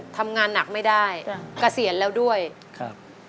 ทำงานหนักไม่ได้จ้ะเกษียณแล้วด้วยครับ